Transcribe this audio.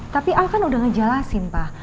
tapi al kan udah ngejelasin pak